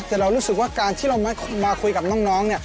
แต่เรารู้สึกว่าการที่เรามาคุยกับน้องเนี่ย